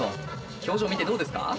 表情見てどうですか？